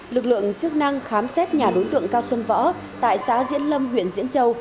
lực lượng chức năng khám xét nhà đối tượng cao xuân võ tại xã diễn lâm huyện diễn châu